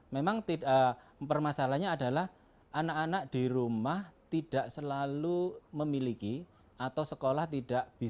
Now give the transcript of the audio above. memang permasalahannya adalah anak anak di rumah tidak selalu memiliki atau sekolah tidak bisa